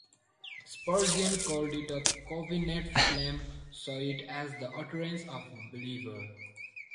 Spurgeon called it a "Covenant Psalm" saw it as the "utterance of a believer"